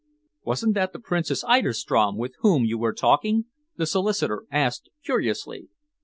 "Wasn't that the Princess Eiderstrom with whom you were talking?" the solicitor asked curiously.